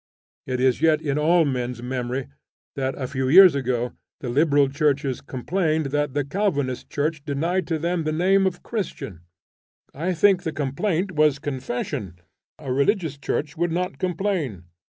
It is yet in all men's memory that, a few years ago, the liberal churches complained that the Calvinistic church denied to them the name of Christian. I think the complaint was confession: a religious church would not complain.